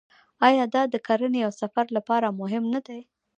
آیا دا د کرنې او سفر لپاره مهم نه دی؟